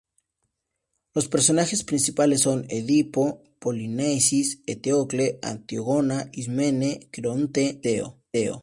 Los personajes principales son: Edipo, Polinices, Eteocles, Antígona, Ismene, Creonte y Teseo.